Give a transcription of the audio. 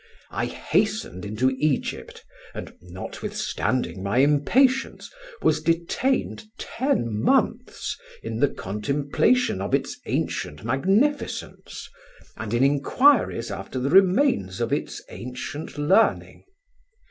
I hastened into Egypt, and, notwithstanding my impatience, was detained ten months in the contemplation of its ancient magnificence and in inquiries after the remains of its ancient learning.